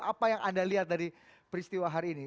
apa yang anda lihat dari peristiwa hari ini